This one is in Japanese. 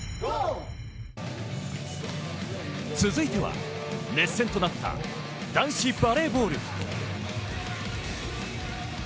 続いては熱戦となった男子バレーボール。